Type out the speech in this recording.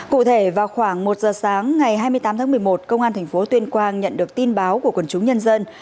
cụ thể vào khoảng một giờ sáng ngày hai mươi tám tháng một mươi một công an thành phố tuyên quang nhận được tin báo của quần chúng nhân dân